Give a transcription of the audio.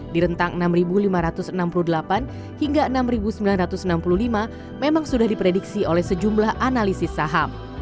di rentang enam lima ratus enam puluh delapan hingga enam sembilan ratus enam puluh lima memang sudah diprediksi oleh sejumlah analisis saham